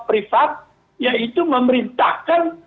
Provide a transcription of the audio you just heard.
privat yaitu memerintahkan